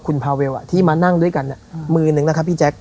คุณพาเวลที่มานั่งด้วยกันมือนึงนะครับพี่แจ๊ค